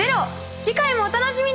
次回もお楽しみに！